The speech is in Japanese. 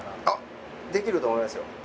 あっできると思いますよ。